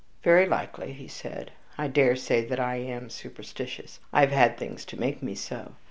"Very likely," he said; "I daresay that I am superstitious. I have had things to make me so."